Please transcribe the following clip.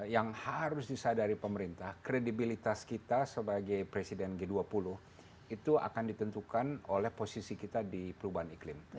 yang harus disadari pemerintah kredibilitas kita sebagai presiden g dua puluh itu akan ditentukan oleh posisi kita di perubahan iklim